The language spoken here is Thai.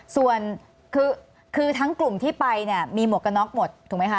ส่วนคือทั้งกลุ่มที่ไปเนี่ยมีหมวกกันน็อกหมดถูกไหมคะ